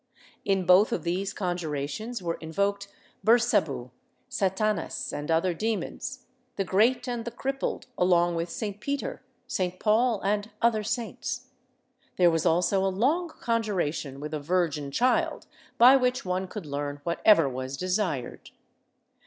In both of these conjurations were invoked Bersabu, Satanas and other demons, the great and the crippled, along with St. Peter, St. Paul and other saints. There was also a long conjuration with a virgin child by which one could learn what ever was desired.